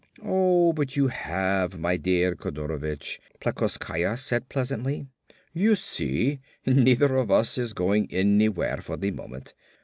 "Oh but you have, my dear Kodorovich," Plekoskaya said pleasantly. "You see, neither of us is going anywhere for the moment.